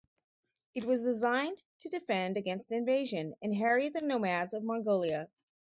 It was designed to defend against invasion and harry the nomads of Mongolia.